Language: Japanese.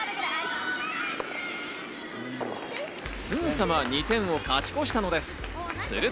すぐさま２点を勝ち越したのです。